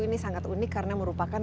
ini sangat unik karena merupakan